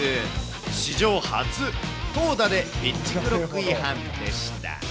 史上初、投打でピッチクロック違反でした。